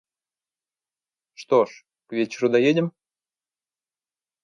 Что ж, к вечеру доедем?